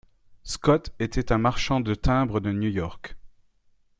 Scott était un marchand de timbres de New York.